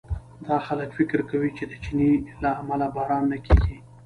دا خلک فکر کوي چې د چیني له امله باران نه کېږي.